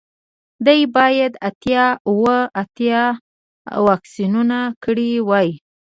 دوی باید اتیا اوه اتیا ته واکسینونه کړي وای